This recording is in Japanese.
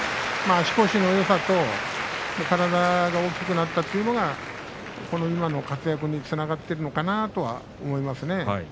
足腰のよさと体が大きくなったというのが今の活躍につながっているかなと思います。